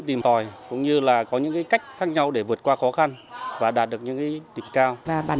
thành tích của các em học sinh đã trở thành động lực cổ vũ nhà trường vàng và huy chương bạc